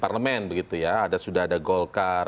parlemen begitu ya sudah ada golkar